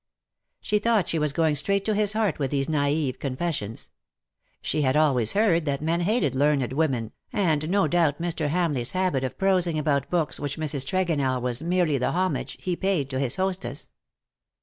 She thought she was going straight to his heart with these naive confessions ; she had always heard that men hated learned women, and no doubt Mr. HamleigVs habit of prosing about books with Mrs. Tregonell was merely the homage he payed to his hostess.